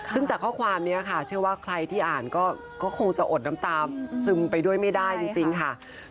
ซึ่งจากข้อความนี้ค่ะเชื่อว่าใครที่อ่านก็คงจะอดน้ำตาซึมไปด้วยไม่ได้จริงค่ะ